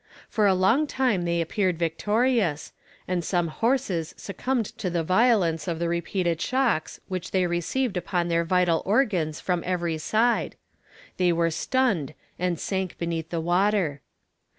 For a long time they appeared victorious, and some horses succumbed to the violence of the repeated shocks which they received upon their vital organs from every side. They were stunned, and sank beneath the water.